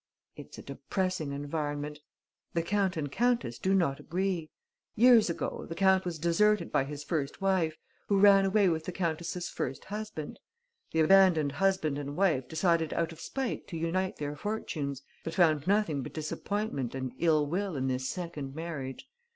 It's a depressing environment. The count and countess do not agree. Years ago, the count was deserted by his first wife, who ran away with the countess' first husband. The abandoned husband and wife decided out of spite to unite their fortunes, but found nothing but disappointment and ill will in this second marriage.